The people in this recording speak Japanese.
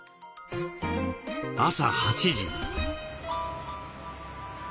朝８時。